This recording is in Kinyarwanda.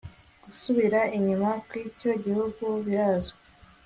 Gusubira inyuma kwicyo gihugu birazwi